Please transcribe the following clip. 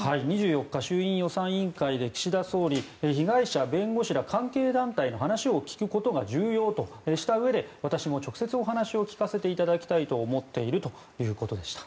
２４日衆院予算委員会で岸田総理被害者・弁護士ら関係団体と話を聞くことが重要としたうえで、私も直接お話を聞かせていただきたいと思っているということでした。